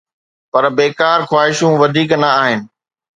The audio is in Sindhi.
پر بيڪار خواهشون وڌيڪ نه آهن.